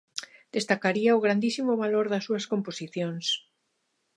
Destacaría o grandísimo valor das súas composicións.